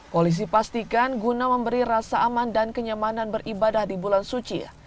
polisi pastikan guna memberi rasa aman dan kenyamanan beribadah di bulan suci